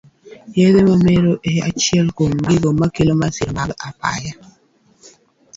Yedhe mamero e achiel kuom gigo makelo masira mag apaya